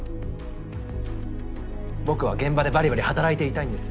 僕は現場でばりばり働いていたいんです。